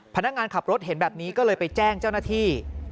พนักงานขับรถเห็นแบบนี้ก็เลยไปแจ้งเจ้าหน้าที่